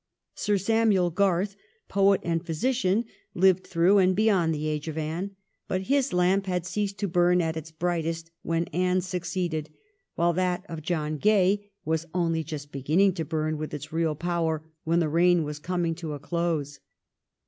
Sir Samuel Garth, poet and physician, lived through and beyond tjie age of Anne, but his lamp had ceased to burn at its brightest when Anne succeeded, while that of John Gay was only just beginning to burn with its real power when the reign was coming to a close.